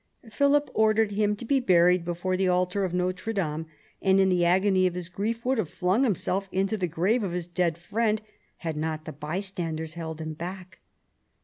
Philip ordered him to be buried before the altar of Notre Dame, and in the agony of his grief would have flung himself into the grave of his dead friend had not the bystanders held him back.